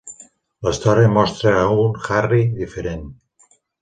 La història mostra a un Harry diferent.